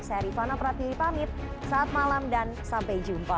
saya rifana pratiwi pamit saat malam dan sampai jumpa